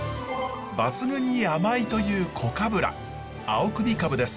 抜群に甘いというコカブラ青首カブです。